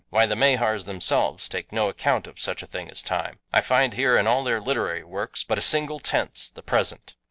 Why, the Mahars themselves take no account of such a thing as time. I find here in all their literary works but a single tense, the present.